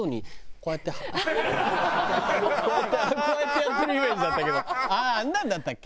こうやってこうやってやってるイメージだったけどあんなんだったっけ？